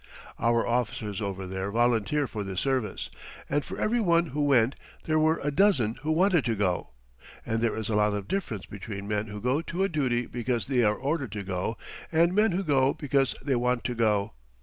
Our officers over there volunteer for this service, and for every one who went, there were a dozen who wanted to go. And there is a lot of difference between men who go to a duty because they are ordered to go, and men who go because they want to go.